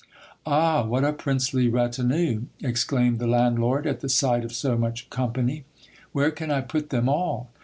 Ah ! what a princely retinue ! exclaimed the landlord at the sight of so much company : where can I put them all